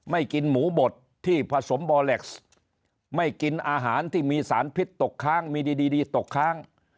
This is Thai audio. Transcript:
กินหมูบดที่ผสมบอเล็กซ์ไม่กินอาหารที่มีสารพิษตกค้างมีดีตกค้าง